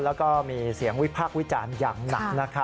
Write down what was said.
แล้วก็มีเสียงวิพากษ์วิจารณ์อย่างหนัก